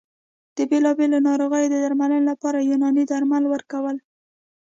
د بېلابېلو ناروغیو د درملنې لپاره یوناني درمل ورکول